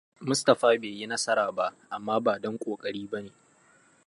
Mustapha bai yi nasara ba, amma ba don ƙoƙari ba ne.